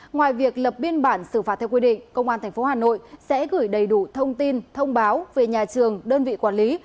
ngoài việc lập biên bản xử phạt theo quy định công an tp hà nội sẽ gửi đầy đủ thông tin thông báo về nhà trường đơn vị quản lý